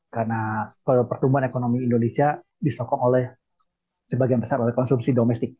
karena pertumbuhan ekonomi indonesia disokong oleh sebagian besar konsumsi domestik